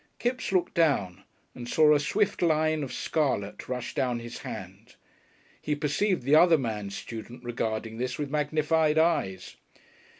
Kipps looked down, and saw a swift line of scarlet rush down his hand. He perceived the other man student regarding this with magnified eyes.